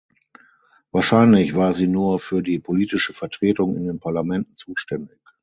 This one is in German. Wahrscheinlich war sie nur für die politische Vertretung in den Parlamenten zuständig.